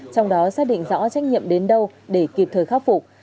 trong đó xác định rõ trách nhiệm đến đâu để kịp thời khắc phục